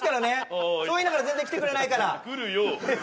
はーいそう言いながら全然来てくれない来るよ